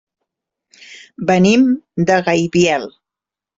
Venim de Gaibiel.